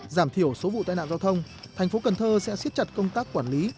giảm thiểu số vụ tai nạn giao thông thành phố cần thơ sẽ xiết chặt công tác quản lý